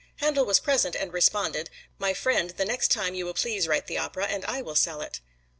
Handel was present and responded, "My friend, the next time you will please write the opera and I will sell it."